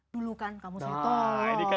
dulukan kamu sedekah